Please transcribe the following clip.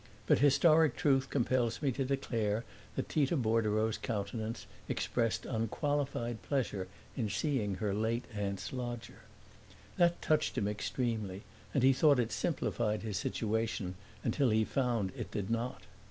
But historic truth compels me to declare that Tita Bordereau's countenance expressed unqualified pleasure in seeing her late aunt's lodger. That touched him extremely, and he thought it simplified his situation until he found it did not.